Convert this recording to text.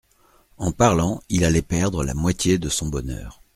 En parlant, il allait perdre la moitié de son bonheur.